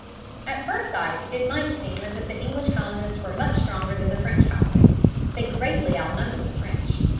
At first sight it might seem as if the English colonists were much stronger than the French colonists. They greatly outnumbered the French.